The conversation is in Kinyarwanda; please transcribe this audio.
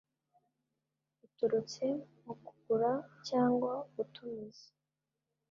biturutse mu kugura cyangwa gutumiza